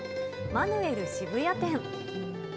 マヌエル・渋谷店。